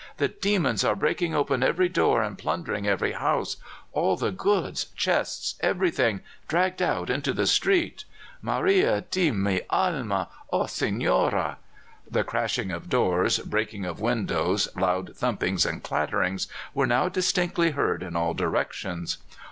The demons are breaking open every door and plundering every house; all the goods chests everything dragged out into the street." "Maria di mi alma! Oh, señora!" The crashing of doors, breaking of windows, loud thumpings and clatterings, were now distinctly heard in all directions.